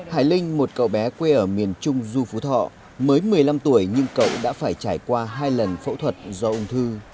hải linh một cậu bé quê ở miền trung du phú thọ mới một mươi năm tuổi nhưng cậu đã phải trải qua hai lần phẫu thuật do ung thư